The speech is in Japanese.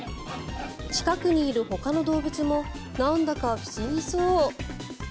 近くにいるほかの動物もなんだか不思議そう。